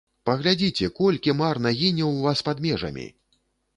Паглядзіце, колькі марна гіне ў вас пад межамі!